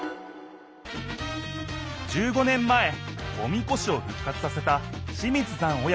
いったい１５年前おみこしを復活させた清水さん